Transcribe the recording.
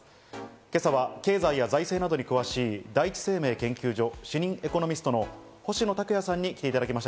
今朝は経済や財政などに詳しい、第一生命研究所、主任エコノミストの星野卓也さんに来ていただきました。